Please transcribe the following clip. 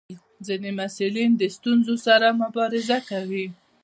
ځینې محصلین د ستونزو سره مبارزه کوي.